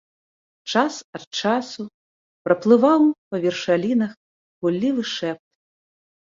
Час ад часу праплываў па вершалінах гуллівы шэпт.